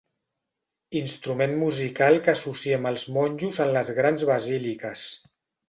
Instrument musical que associem als monjos en les grans basíliques.